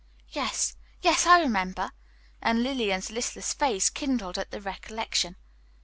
"Yes, yes, I remember!" And Lillian's listless face kindled at the recollection.